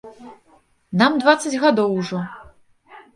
Нам дваццаць гадоў ужо.